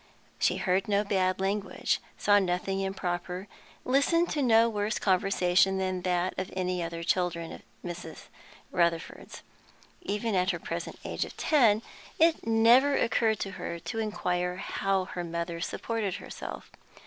She heard no bad language, saw nothing improper, listened to no worse conversation than any of the other children at Miss Rutherford's. Even at her present age of ten it never occurred to her to inquire how her mother supported herself.